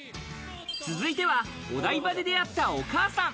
続いては、お台場で出会ったお母さん。